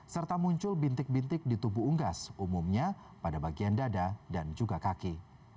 serta muncul bintik bintik di tubuh unggas umumnya pada bagian dada dan juga kaki